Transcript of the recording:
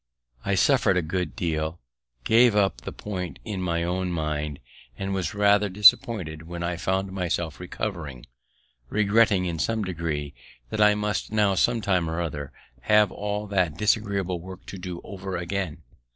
I suffered a good deal, gave up the point in my own mind, and was rather disappointed when I found myself recovering, regretting, in some degree, that I must now, some time or other, have all that disagreeable work to do over again.